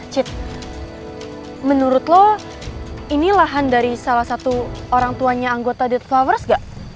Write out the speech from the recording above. cit menurut lo ini lahan dari salah satu orang tuanya anggota deed flowers gak